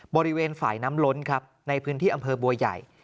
บริเวณฝ่ายน้ำล้นครับในพื้นที่อำเภอบัวใหญ่